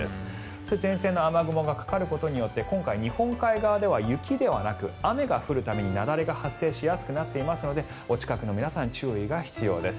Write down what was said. そして前線の雨雲がかかることによって今回、日本海側では雪ではなく雨が降るために雪崩が発生しやすくなっていますのでお近くの皆さん注意が必要です。